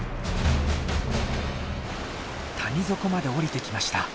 谷底まで下りてきました。